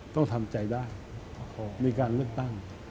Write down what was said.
ต้องทำใจได้มีการเลือกตั้ง